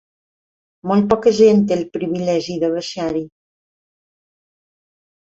Molt poca gent té el privilegi de baixar-hi.